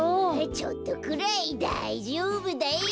ちょっとくらいだいじょうぶだよ。